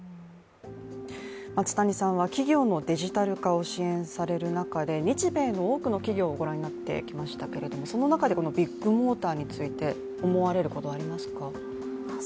松谷さんは、企業のデジタル化を支援される中で日米の多くの企業をご覧になってきましたけれどもその中でビッグモーターについて思われることはありますか？